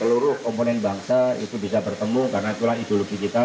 seluruh komponen bangsa itu bisa bertemu karena itulah ideologi kita